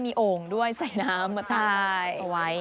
มีโอ่งด้วยใส่น้ำมาตั้งเอาไว้